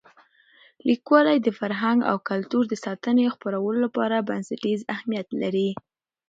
لیکوالی د فرهنګ او کلتور د ساتنې او خپرولو لپاره بنسټیز اهمیت لري.